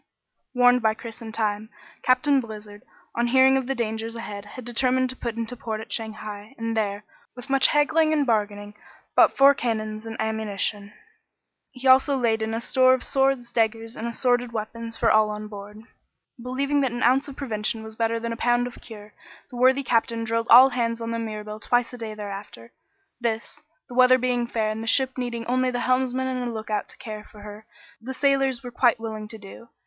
Warned by Chris in time, Captain Blizzard, on hearing of the dangers ahead, had determined to put into port at Shanghai, and there, with much haggling and bargaining, bought four cannons and ammunition. He also laid in a store of swords, daggers, and assorted weapons for all on board. Believing that an ounce of prevention was better than a pound of cure, the worthy captain drilled all hands on the Mirabelle twice a day thereafter. This, the weather being fair and the ship needing only the helmsman and a lookout to care for her, the sailors were quite willing to do.